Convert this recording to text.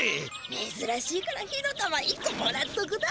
めずらしいから火の玉１こもらっとくだ。